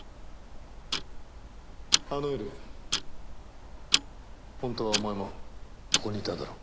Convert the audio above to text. あの夜本当はお前もここにいたんだろ。